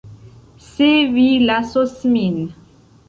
Se vi lasos min.